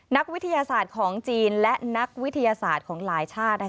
นักวิทยาศาสตร์ของจีนและนักวิทยาศาสตร์ของหลายชาติ